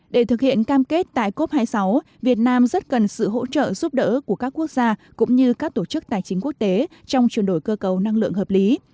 để thực hiện cam kết tại cop hai mươi sáu việt nam rất cần sự hỗ trợ giúp đỡ của các quốc gia cũng như các tổ chức tài chính quốc tế trong chuyển đổi cơ cấu năng lượng hợp lý